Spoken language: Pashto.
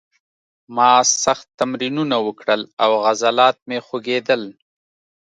ما سخت تمرینونه وکړل او عضلات مې خوږېدل